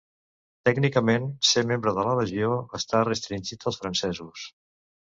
Tècnicament, ser membre de la Legió està restringit als francesos.